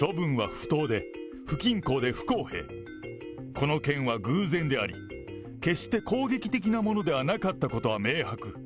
この件は偶然であり、決して攻撃的なものではなかったことは明白。